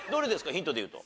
ヒントでいうと。